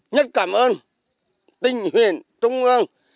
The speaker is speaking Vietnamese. nhất cảm ơn tỉnh huyện trung ương